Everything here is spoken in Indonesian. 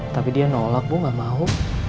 tapi dia nolak bu gak mau